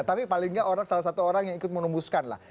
tapi paling nggak salah satu orang yang ikut menembuskan lah